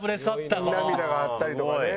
涙があったりとかね。